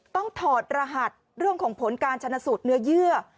ถอดรหัสเรื่องของผลการชนะสูตรเนื้อเยื่อ